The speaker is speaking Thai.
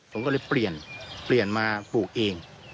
ผมก็เลยเปลี่ยนเปลี่ยนมาปลูกเอง